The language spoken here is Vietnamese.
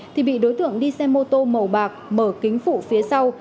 thì bị đối tượng đi xe mô tô màu bạc mở kính phụ phía sau